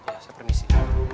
ya saya permisi